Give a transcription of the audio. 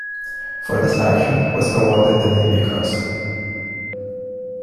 For this action, he was awarded the Navy Cross.